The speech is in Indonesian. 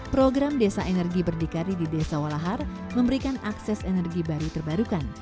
program desa energi berdikari di desa walahar memberikan akses energi baru terbarukan